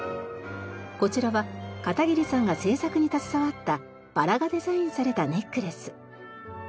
こちらは片桐さんが制作に携わったバラがデザインされたネックレス。